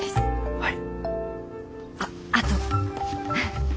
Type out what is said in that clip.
はい。